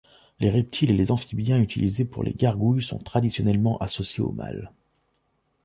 Les reptiles et les amphibiens utilisés pour les gargouilles sont traditionnellement associés au mal.